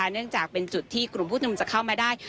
เนื่องจากเป็นจุดที่กลุ่มผู้ชมนุมจะเข้ามาได้